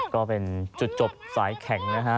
ก็เป็นจุดจบสายแข็งนะฮะ